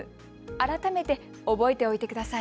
改めて覚えておいてください。